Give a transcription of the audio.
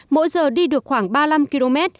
mỗi giờ đi được khoảng ba mươi năm km